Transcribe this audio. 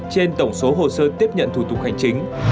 trên tổng số hồ sơ tiếp nhận thủ tục hành chính